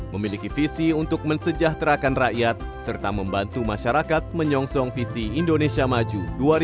memiliki visi untuk mensejahterakan rakyat serta membantu masyarakat menyongsong visi indonesia maju dua ribu dua puluh empat